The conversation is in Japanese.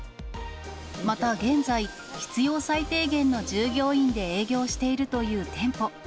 また現在、必要最低限の従業員で営業しているという店舗。